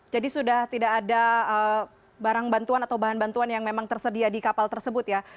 jadi sudah tidak ada barang bantuan atau bahan bantuan yang memang tersedia di kapal tersebut ya